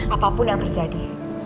apapun yang terjadi